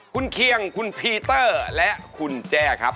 คุณเคียงคุณพีเตอร์และคุณแจ้ครับ